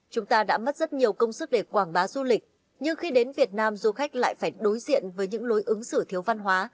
chúng ta đã mất rất nhiều công sức để quảng bá du lịch nhưng khi đến việt nam du khách lại phải đối diện với những lối ứng xử thiếu văn hóa